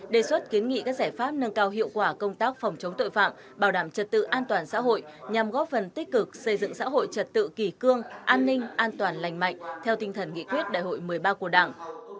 đề xuất kiến nghị các giải pháp nâng cao hiệu quả công tác phòng chống tội phạm bảo đảm trật tự an toàn xã hội nhằm góp phần tích cực xây dựng xã hội trật tự kỳ cương an ninh an toàn lành mạnh theo tinh thần nghị quyết đại hội một mươi ba của đảng